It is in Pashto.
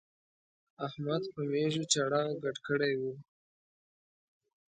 احمد په مېږو چړاو ګډ کړی وو.